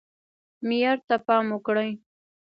معیار ته پام وکړئ